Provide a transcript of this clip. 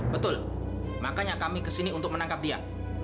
betul makanya kami kesini untuk menangkap dia